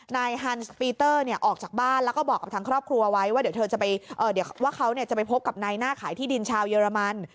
นายฮันซ์ปีเตอร์เนี่ยออกจากบ้านแล้วก็บอกกับทางครอบครัวไว้ว่าเดี๋ยวเขาจะไปพบกับนายหน้าขายที่ดินชาวเยอรมัน